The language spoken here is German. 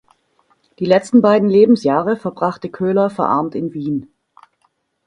Die letzten beiden Lebensjahre verbrachte Köhler verarmt in Wien.